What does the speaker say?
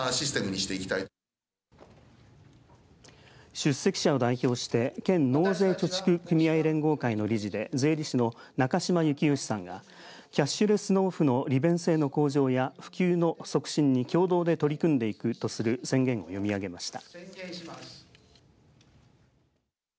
出席者を代表して県納税貯蓄組合連合会の理事で税理士の中島幸良さんがキャッシュレス納付の利便性の向上や普及の促進や共同で取り組んでいくとする宣言を読み上げました。